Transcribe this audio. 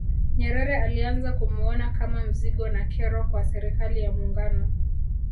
Nyerere alianza kumuona kama mzigo na kero kwa Serikali ya Muungano